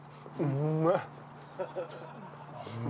うめえ！